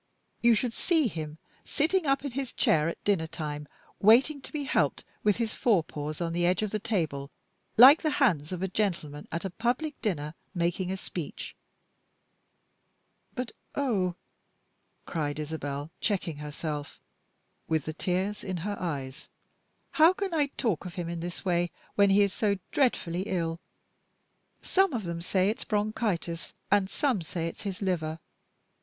You should see him sitting up in his chair at dinner time, waiting to be helped, with his fore paws on the edge of the table, like the hands of a gentleman at a public dinner making a speech. But, oh!" cried Isabel, checking herself, with the tears in her eyes, "how can I talk of him in this way when he is so dreadfully ill! Some of them say it's bronchitis, and some say it's his liver.